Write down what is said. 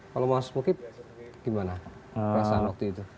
kalau mas mukib gimana perasaan waktu itu